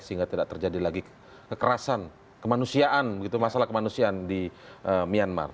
sehingga tidak terjadi lagi kekerasan kemanusiaan gitu masalah kemanusiaan di myanmar